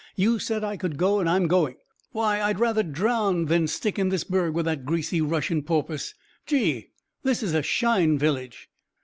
You said I could go, and I'm going. Why, I'd rather drown than stick in this burgh with that greasy Russian porpoise. Gee! this is a shine village."